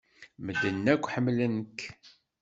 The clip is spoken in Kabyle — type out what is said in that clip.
Medden akk ḥemmlen-k.